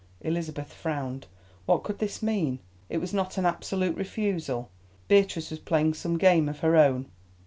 Elizabeth frowned. What could this mean? It was not an absolute refusal. Beatrice was playing some game of her own.